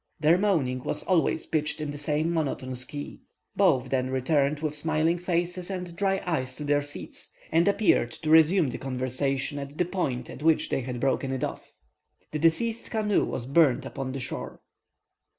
Their moaning was always pitched in the same monotonous key. Both then returned with smiling faces and dry eyes to their seats, and appeared to resume the conversation at the point at which they had broken it off. The deceased's canoe was burnt upon the shore.